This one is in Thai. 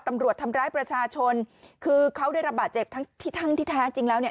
ตำรวจทำร้ายประชาชนคือเขาได้รับบาดเจ็บทั้งที่ทั้งที่แท้จริงแล้วเนี่ย